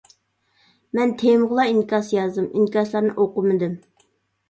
مەن تېمىغىلا ئىنكاس يازدىم، ئىنكاسلارنى ئوقۇمىدىم.